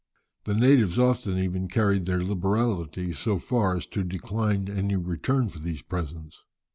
The natives often even carried their liberality so far as to decline any return for these presents.